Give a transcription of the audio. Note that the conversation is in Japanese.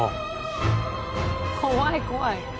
怖い怖い。